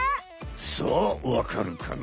さあ分かるかな？